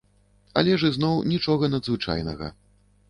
Але ж ізноў, нічога надзвычайнага.